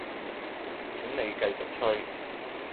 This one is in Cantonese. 請你繼續吹